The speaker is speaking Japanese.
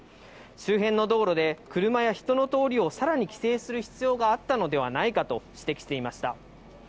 周辺の道路で、車や人の通りをさらに規制する必要があったのではないかと指摘していました。